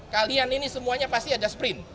kalian ini semuanya pasti ada sprint